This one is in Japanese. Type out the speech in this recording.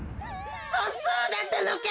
そそうだったのか！